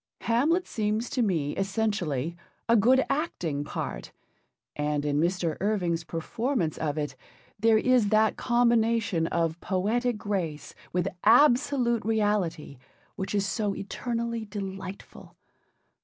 Hamlet seems to me essentially a good acting part, and in Mr. Irving's performance of it there is that combination of poetic grace with absolute reality which is so eternally delightful.